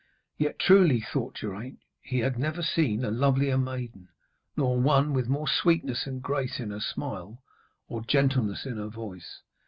Yet truly, thought Geraint, he had never seen a lovelier maiden, nor one with more sweetness and grace in her smile or gentleness in her voice.